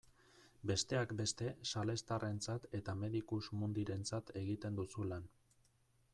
Besteak beste salestarrentzat eta Medicus Mundirentzat egiten duzu lan.